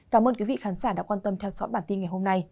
cảm ơn quý vị khán giả đã quan tâm theo dõi bản tin ngày hôm nay